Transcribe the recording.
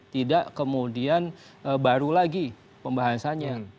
tidak kemudian baru lagi pembahasannya